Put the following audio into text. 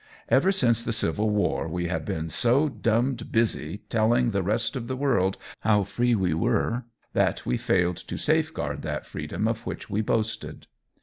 Ever since the Civil War we have been so dummed busy telling the rest of the world how free we were that we failed to safeguard that freedom of which we boasted.